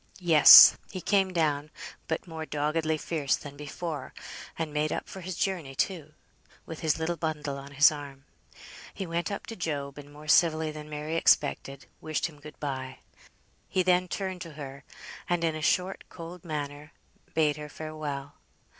Yes, he came down, but more doggedly fierce than before, and made up for his journey, too; with his little bundle on his arm. He went up to Job, and, more civilly than Mary expected, wished him good bye. He then turned to her, and in a short cold manner, bade her farewell.